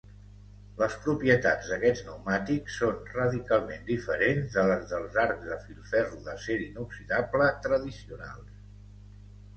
Les propietats d'aquests pneumàtics són radicalment diferents de les dels arcs de filferro d'acer inoxidable tradicionals.